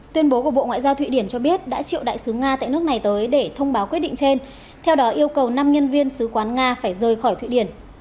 tuyên bố của bộ ngoại giao thụy điển cho biết đã triệu đại sứ nga tại nước này tới để thông báo quyết định trên theo đó yêu cầu năm nhân viên sứ quán nga phải rời khỏi thụy điển